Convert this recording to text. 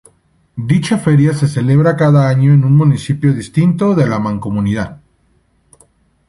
Dicha feria se celebra cada año en un municipio distinto de la mancomunidad.